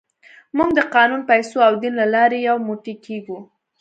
موږ د قانون، پیسو او دین له لارې یو موټی کېږو.